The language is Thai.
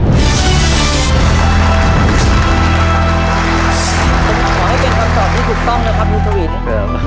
ขอให้เป็นคำสอบที่ถูกต้องนะครับยุทธวินครับ